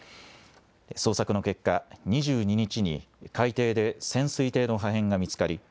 捜索の結果、２２日に海底で潜水艇の破片が見つかり